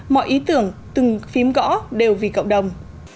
mọi ý tưởng từng phim gõ đều vì cộng đồng